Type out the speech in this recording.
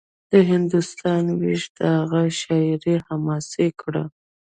د هندوستان وېش د هغه شاعري حماسي کړه